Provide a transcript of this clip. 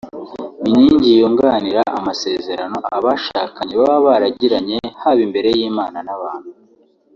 ni inkingi yunganira amasezerano abashakanye baba baragiranye haba imbere y’Imana n’abantu